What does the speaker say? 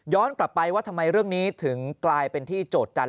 กลับไปว่าทำไมเรื่องนี้ถึงกลายเป็นที่โจทยัน